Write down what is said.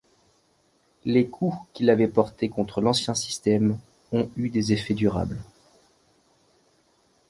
Les coups qu'il avait portés contre l'ancien système ont eu des effets durables.